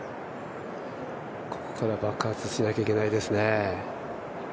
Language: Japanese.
ここから爆発しなきゃいけないですね。